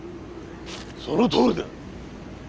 そのとおりだ！